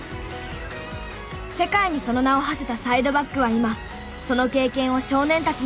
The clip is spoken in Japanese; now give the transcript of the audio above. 世界にその名をはせたサイドバックは今その経験を少年たちに伝え日本の未来を作り出しています。